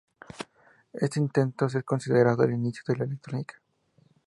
Este invento es considerado el inicio de la electrónica.